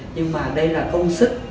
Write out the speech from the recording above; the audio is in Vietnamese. nhưng mà đây là công sức